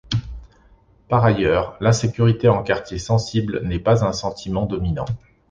Par ailleurs, l'insécurité en quartiers sensibles n'est pas un sentiment dominant.